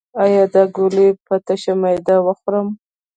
ایا دا ګولۍ په تشه معده وخورم؟